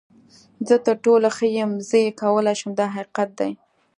زه تر ټولو ښه یم، زه یې کولی شم دا حقیقت دی.